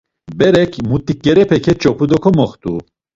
Berek, mut̆iǩerepe keç̌opu do komoxt̆u.